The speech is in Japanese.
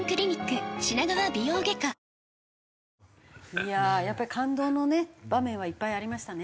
いやあやっぱり感動のね場面はいっぱいありましたね。